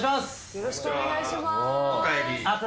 よろしくお願いします。